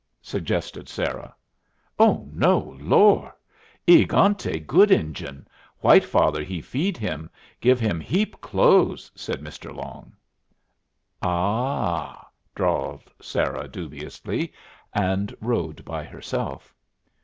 suggested Sarah. "Oh no! Lor'! E egante good Injun. White Father he feed him. Give him heap clothes," said Mr. Long. "A h!" drawled Sarah, dubiously, and rode by herself.